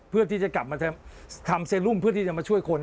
เพื่อที่จะกลับมาทำเซรุมเพื่อที่จะมาช่วยคน